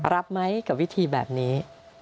รับไหมกับวิธีแบบนี้